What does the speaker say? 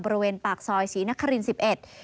บริเวณปากซอยศรีนครินทร์๑๑